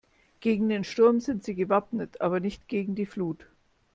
Gegen den Sturm sind sie gewappnet, aber nicht gegen die Flut.